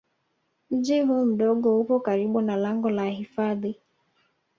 Mji huu mdogo upo karibu na lango la hifadhi